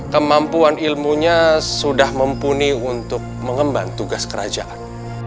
kemampuan ilmunya sudah mumpuni untuk mengemban tugas kerajaan